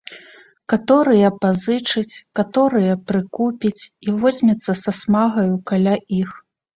Каторыя пазычыць, каторыя прыкупіць і возьмецца са смагаю каля іх.